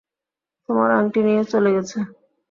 তোমার আংটি নিয়ে চলে গেছে।